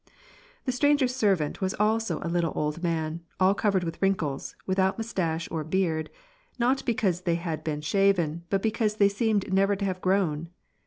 The stranger's servant was also a little old man, all covered with wrinkles, without mustache or beard, not because they had been shaven, but because they seemed never to have grown.